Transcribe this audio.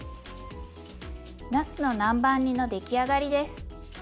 なすの南蛮煮の出来上がりです。